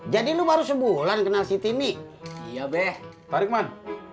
jadi lu baru sebulan kenal si timmy ya be parkman